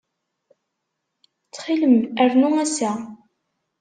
Ttxil-m, rnu ass-a.